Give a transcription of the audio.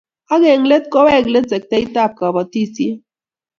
Ak eng let kowek let sektaitab kobotisiet